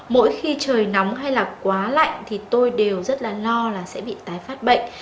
mỗi khi trời nóng hay là quá lạnh thì tôi đều rất là lo là sẽ bị tái phát bệnh